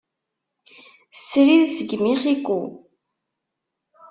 Srid seg Mixico.